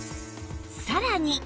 さらに